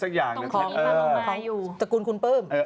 สกุลคุณเปิ้ล